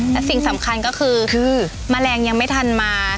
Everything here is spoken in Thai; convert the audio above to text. และสิ่งสำคัญก็คือแมลงยังไม่ทันมา